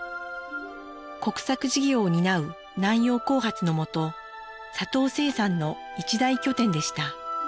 国策事業を担う南洋興発の下砂糖生産の一大拠点でした。